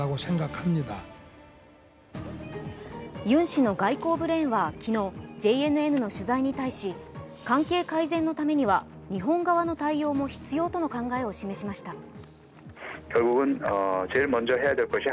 ユン氏の外交ブレーンは昨日、ＪＮＮの取材に対し関係改善のためには日本側の対応も必要との考えを示しました。